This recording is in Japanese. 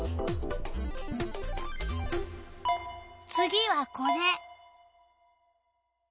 次はこれ。